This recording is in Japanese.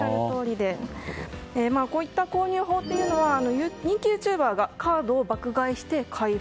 こういった購入法は人気ユーチューバーがカードを爆買いして開封。